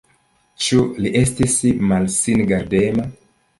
Ĉu li estis malsingardema?